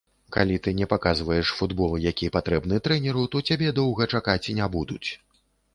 Калі ты не паказваеш футбол, які патрэбны трэнеру, то цябе доўга чакаць не будуць.